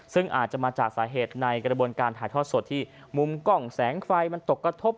ซึ่งอาจจะมาจากสาเหตุในกระบวนการถ่ายทอดสดที่มุมกล้องแสงไฟมันตกกระทบ